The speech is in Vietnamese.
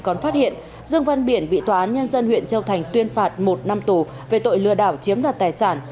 còn phát hiện dương văn biển bị tòa án nhân dân huyện châu thành tuyên phạt một năm tù về tội lừa đảo chiếm đoạt tài sản